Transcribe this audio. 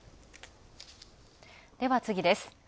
では、次です。